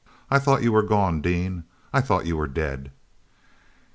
"I thought you were gone, Dean! I thought you were dead!"